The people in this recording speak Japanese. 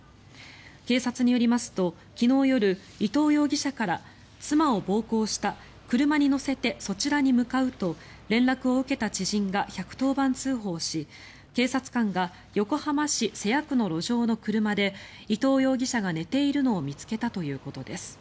警察によりますと昨日夜、伊藤容疑者から妻を暴行した車に乗せてそちらに向かうと連絡を受けた知人が１１０番通報し警察官が横浜市瀬谷区の路上の車で伊藤容疑者が寝ているのを見つけたということです。